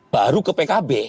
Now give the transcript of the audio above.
baru ke pkb